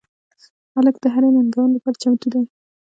هلک د هرې ننګونې لپاره چمتو دی.